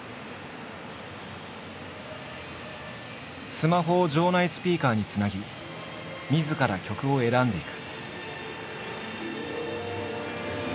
スマホを場内スピーカーにつなぎみずから曲を選んでいく。